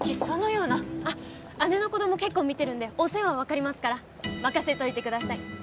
そのような姉の子供結構見てるんでお世話は分かりますから任せといてください